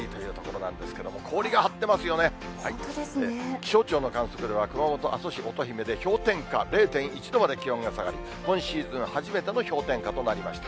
気象庁の観測では、熊本・阿蘇市おとひめで氷点下０．１度まで気温が下がり、今シーズン初めての氷点下となりました。